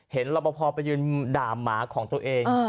เห็นละบะพอร์ไปยืนด่ามหมาของตัวเอง